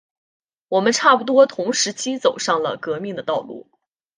我们差不多同时期走上了革命的道路。